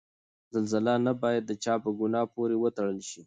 زلزله نه باید د چا په ګناه پورې وتړل شي.